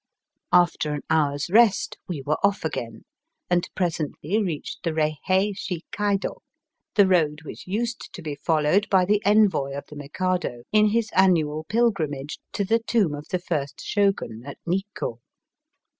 After an hour's rest we were off again, and presently reached the Bei hei shi kaido, the road which used to be followed by the Envoy of the Mikado in his annual pilgrimage to the tomb of the first Shogun at Nikko.